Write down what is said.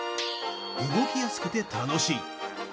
動きやすくて楽しい！